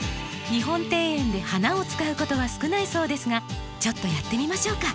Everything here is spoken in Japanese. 日本庭園で花を使うことは少ないそうですがちょっとやってみましょうか。